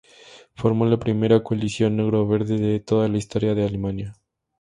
Formó la primera coalición "Negro-verde" de toda la historia de Alemania.